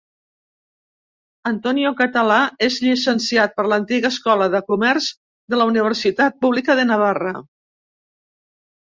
Antonio Català és llicenciat per l'antiga Escola de Comerç de la Universitat Pública de Navarra.